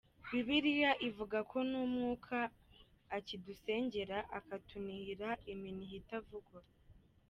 Bibiliya ivuga ko n’Umwuka akidusengera, akatunihira iminiho itavugwa.